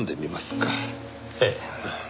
ええ。